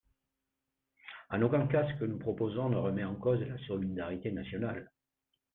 En aucun cas ce que nous proposons ne remet en cause la solidarité nationale.